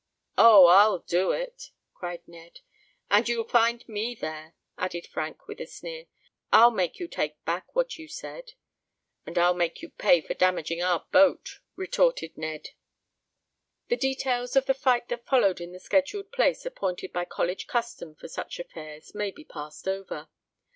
"Oh, I'll do it!" cried Ned. "And you'll find me there!" added Frank with a sneer. "I'll make you take back what you said." "And I'll make you pay for damaging our boat!" retorted Ned. The details of the fight that followed in the secluded place appointed by college custom for such affairs may be passed over.